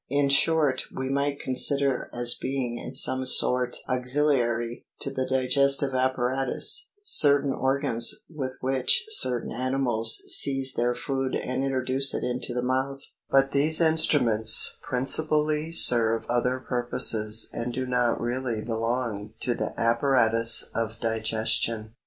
In short we might consider as being in some sort auxiliary to the digestive apparatus, certain organs with which certain animals seize their food and introduce it into the mouth ; but these instru ments principally serve other purposes and do not really belong to the apparatus of digestion.